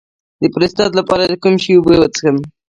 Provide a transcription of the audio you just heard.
د پروستات لپاره د کوم شي اوبه وڅښم؟